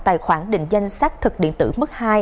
tài khoản định danh xác thực điện tử mức hai